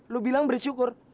lu bilang bersyukur